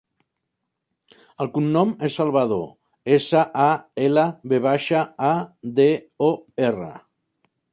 El cognom és Salvador: essa, a, ela, ve baixa, a, de, o, erra.